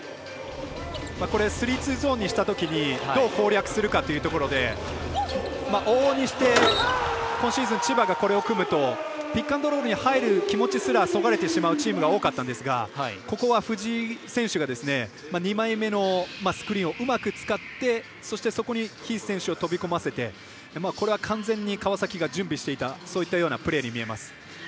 スリーツーゾーンにしたときにどう攻略するかというところで往々にして今シーズン千葉がこれを組むとピックアンドロールに入る気持ちすらそがれてしまうチームが多かったんですがここは藤井選手が２枚目のスクリーンをうまく使ってそして、そこにヒース選手を飛び込ませてこれは完全に川崎が準備していたプレーに見えます。